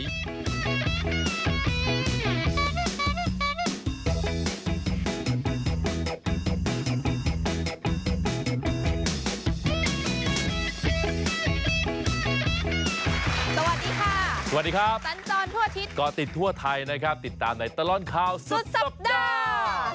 สวัสดีค่ะสวัสดีครับสัญจรทั่วอาทิตย์ก็ติดทั่วไทยนะครับติดตามในตลอดข่าวสุดสัปดาห์